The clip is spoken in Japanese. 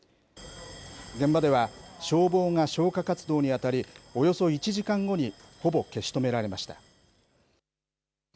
現場では、消防が消火活動に当たり、およそ１時間後にほぼ消し止められました。